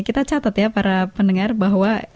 kita catat ya para pendengar bahwa